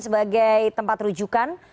sebagai tempat rujukan